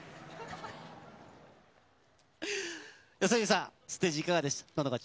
四十住さん、ステージいかがでしたか？